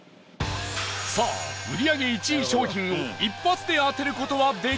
さあ、売り上げ１位商品を一発で当てる事はできるのか？